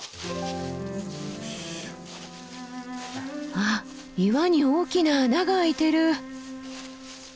あっ岩に大きな穴があいてる！